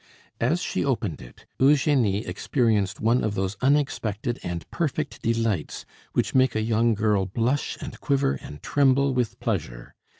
As she opened it, Eugenie experienced one of those unexpected and perfect delights which make a young girl blush and quiver and tremble with pleasure.